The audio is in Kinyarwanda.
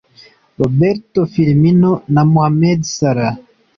Roberto Firmino na Mohamed Salah